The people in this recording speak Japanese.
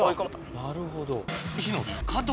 なるほど。